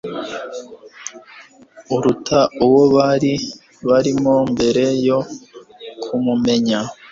uruta uwo bari barimo mbere yo kumumenya. ?